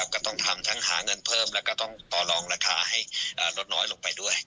ก็ต้องทำทั้งหาเงินเพิ่มแล้วก็ต้องต่อลองราคาให้ลดน้อยลงไปด้วย